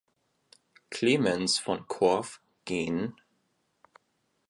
Klemens von Korff gen.